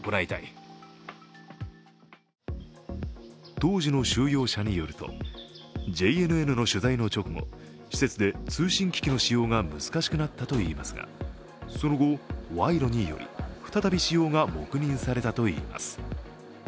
当時の収容者によると、ＪＮＮの取材の直後、施設で通信機器の使用が難しくなったといいますがその後、賄賂により再び使用が黙認されたといいます。